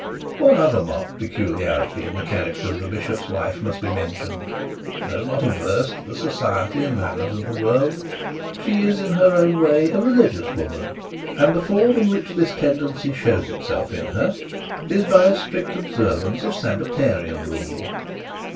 One other marked peculiarity in the character of the bishop's wife must be mentioned. Though not averse to the society and manners of the world, she is in her own way a religious woman; and the form in which this tendency shows itself in her is by a strict observance of the Sabbatarian rule.